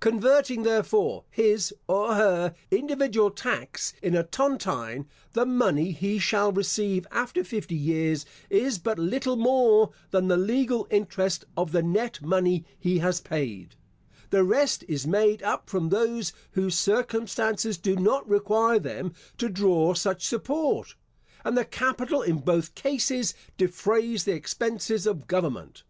Converting, therefore, his (or her) individual tax in a tontine, the money he shall receive after fifty years is but little more than the legal interest of the net money he has paid; the rest is made up from those whose circumstances do not require them to draw such support, and the capital in both cases defrays the expenses of government.